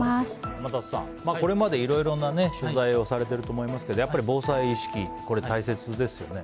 天達さん、これまでいろいろな取材をされていると思いますがやっぱり防災意識、大切ですよね。